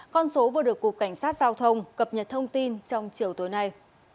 con số vừa được cục cảnh sát giao thông cập nhật thông tin trong chiều tối nay